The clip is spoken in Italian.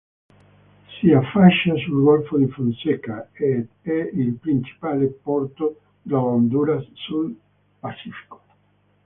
Si affaccia sul golfo di Fonseca ed è il principale porto dell'Honduras sul Pacifico.